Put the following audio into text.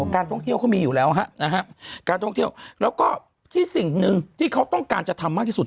การท่องเที่ยวเขามีอยู่แล้วครับแล้วก็ที่สิ่งหนึ่งที่เขาต้องการจะทำมากที่สุด